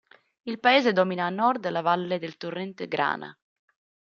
Il paese domina a nord la valle del torrente Grana.